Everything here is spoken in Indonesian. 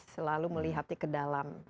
selalu melihatnya ke dalam